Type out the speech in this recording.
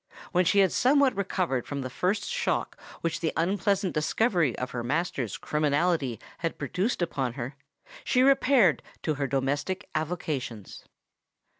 When she had somewhat recovered from the first shock which the unpleasant discovery of her master's criminality had produced upon her, she repaired to her domestic avocations.